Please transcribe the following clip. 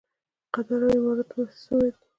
د قطر او اماراتو مرستې څومره دي؟